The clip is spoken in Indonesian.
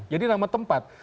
jadi nama tempat